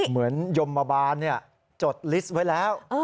เหมือนยมบาบานเนี่ยจดลิสต์ไว้แล้ว